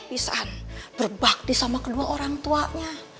pisan berbakti sama kedua orang tuanya